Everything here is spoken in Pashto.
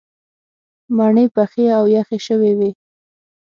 مڼې پخې او یخې شوې وې.